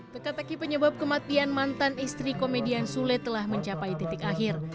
teka teki penyebab kematian mantan istri komedian sule telah mencapai titik akhir